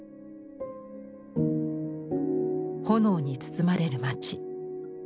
炎に包まれる町。